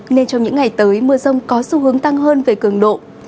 nên trong những ngày tới mưa rông có xu hướng tăng hơn về cường độ